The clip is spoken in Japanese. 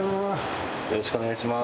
よろしくお願いします